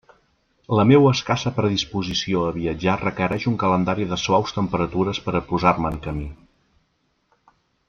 La meua escassa predisposició a viatjar requereix un calendari de suaus temperatures per a posar-me en camí.